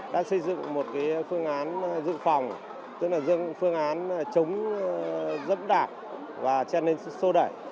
đã xây dựng một phương án dự phòng tức là dựng phương án chống dẫm đạc và chen lên sô đẩy